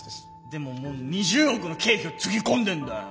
でももう２０億の経費をつぎ込んでんだよ。